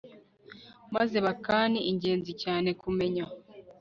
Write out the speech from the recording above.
maze bakaNi ingenzi cyane kumenya